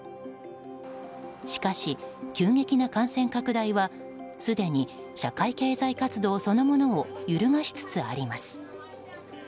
しかし、急激な感染拡大はすでに社会経済活動そのものを揺るがしつつあります。